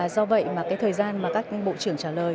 do vậy thời gian mà các bộ trưởng trả lời